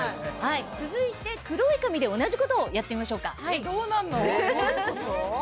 続いて黒い紙で同じことをやってみましょうか。